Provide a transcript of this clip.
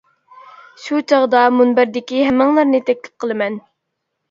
شۇ چاغدا مۇنبەردىكى ھەممىڭلارنى تەكلىپ قىلىمەن!